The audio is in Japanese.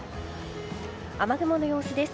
雨雲の様子です。